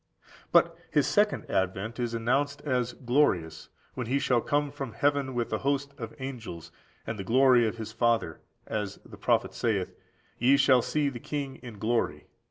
14901490 Isa. liii. 2–5. But His second advent is announced as glorious, when He shall come from heaven with the host of angels, and the glory of His Father, as the prophet saith, "Ye shall see the King in glory;"14911491 Isa.